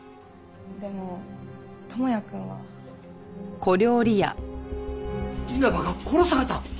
でも智也くんは。稲葉が殺された！？